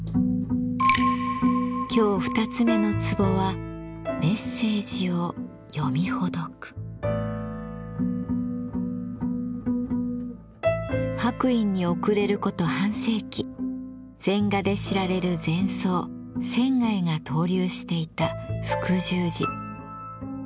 今日２つ目の壺は白隠に遅れること半世紀禅画で知られる禅僧仙が逗留していた福聚寺。